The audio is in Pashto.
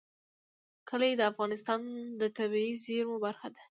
کلي د افغانستان د طبیعي زیرمو برخه ده.